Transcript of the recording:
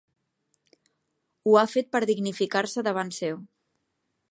Ho ha fet per dignificar-se davant seu.